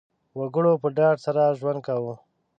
وګړو په ډاډ سره ژوند کاوه.